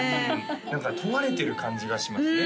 何か問われてる感じがしますね